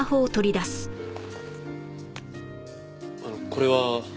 あのこれは。